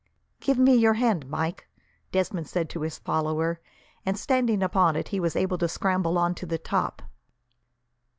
"Give me your hand, Mike," Desmond said to his follower, and, standing upon it, he was able to scramble on to the top.